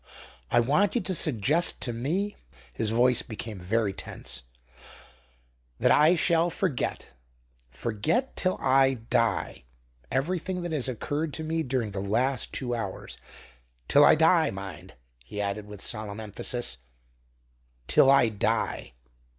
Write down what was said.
I want you to suggest to me" his voice became very tense "that I shall forget forget till I die everything that has occurred to me during the last two hours; till I die, mind," he added, with solemn emphasis, "till I die."